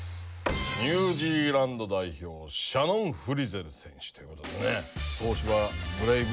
ニュージーランド代表シャノン・フリゼル選手ということでね。